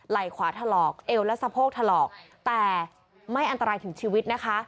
ขวาถลอกเอวและสะโพกถลอกแต่ไม่อันตรายถึงชีวิตนะคะ